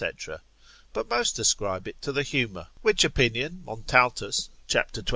but most ascribe it to the humour, which opinion Montaltus cap. 21.